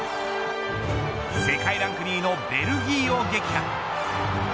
世界ランク２位のベルギーを撃破。